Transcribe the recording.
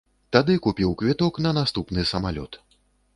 Тады купіў квіток на наступны самалёт.